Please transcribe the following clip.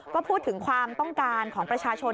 ก็พูดถึงความต้องการของประชาชน